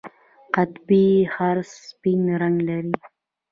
قطبي خرس سپین رنګ لري